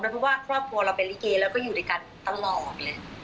เพราะว่าครอบครัวเราเป็นลิเกแล้วก็อยู่ด้วยกันตลอดเลย